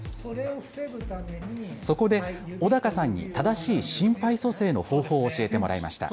そこで小高さんに正しい心肺蘇生の方法を教えてもらいました。